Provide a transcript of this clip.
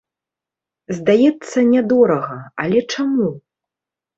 Здаецца нядорага, але чаму?